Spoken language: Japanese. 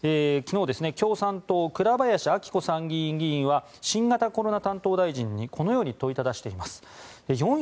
昨日、共産党倉林明子参議院議員は新型コロナ担当大臣にこのように問いただしています。